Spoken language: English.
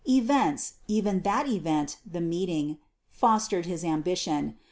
Events even that event, the meeting fostered his ambition.